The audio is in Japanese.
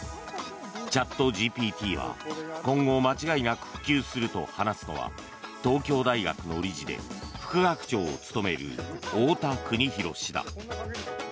チャットＧＰＴは今後間違いなく普及すると話すのは東京大学の理事で副学長を務める太田邦史氏だ。